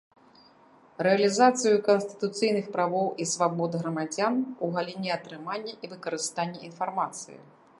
Рэалiзацыю канстытуцыйных правоў i свабод грамадзян у галiне атрымання i выкарыстання iнфармацыi.